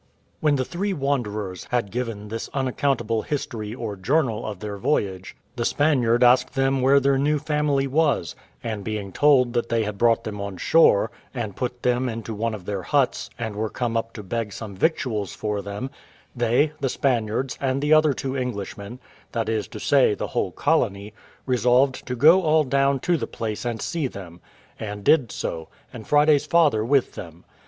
When the three wanderers had give this unaccountable history or journal of their voyage, the Spaniard asked them where their new family was; and being told that they had brought them on shore, and put them into one of their huts, and were come up to beg some victuals for them, they (the Spaniards) and the other two Englishmen, that is to say, the whole colony, resolved to go all down to the place and see them; and did so, and Friday's father with them.